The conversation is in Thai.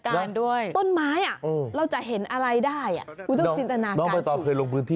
คุณมันเหมือนงานศิลปะอย่างนึงนะ